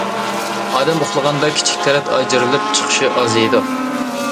ئادەم ئۇخلىغاندا كىچىك تەرەت ئاجرىلىپ چىقىشى ئازىيىدۇ.